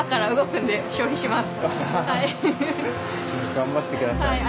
頑張ってください。